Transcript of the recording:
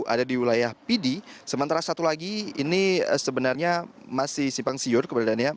ada di wilayah pidi sementara satu lagi ini sebenarnya masih simpang siur keberadaannya